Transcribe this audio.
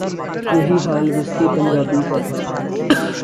یہی حال وسطی پنجاب کا تھا۔